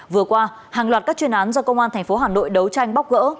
vừa qua hàng loạt các chuyên án do công an tp hà nội đấu tranh bóc gỡ